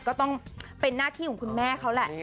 ก็ต้องเป็นหน้าที่ของคุณแม่เขาแหละ